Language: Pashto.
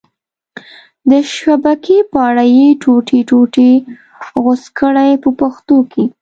د شبکې په اره یې ټوټې ټوټې غوڅ کړئ په پښتو کې.